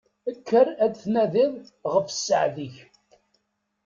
Kker ad tnadiḍ ɣef sseɛd-ik!